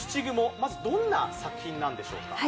まずどんな作品なんでしょうか？